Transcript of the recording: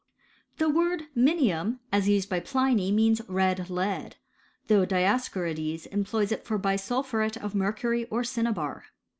The word minium aa used by Pliny means red lead: tbough Dioscorides employs it for bisulphutet of mercury or cinnabar.